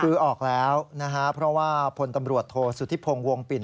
คือออกแล้วนะฮะเพราะว่าพลตำรวจโทษสุธิพงศ์วงปิ่น